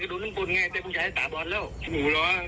เดี๋ยวมูกให้ทุกทุกภาพไปส่งมอบถูกเลย